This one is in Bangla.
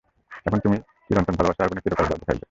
এখন তুমি চিরন্তন ভালোবাসার আগুনে চিরকাল জ্বলতে থাকবে!